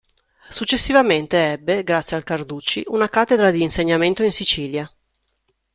Successivamente ebbe, grazie al Carducci, una cattedra di insegnamento in Sicilia.